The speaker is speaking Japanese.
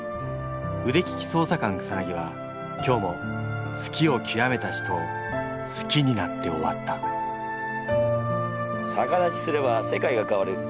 腕利き捜査官草は今日も好きをきわめた人を好きになって終わったさか立ちすれば世界が変わる。